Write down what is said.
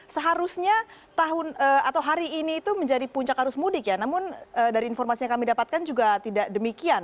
seharusnya tahun atau hari ini itu menjadi puncak arus mudik ya namun dari informasi yang kami dapatkan juga tidak demikian